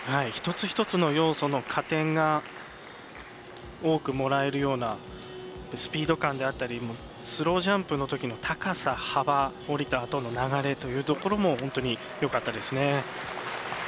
一つ一つの要素の加点が多くもらえるようなスピード感であったりスロージャンプのときの高さ、幅降りたあとの流れというところも本当によかったです。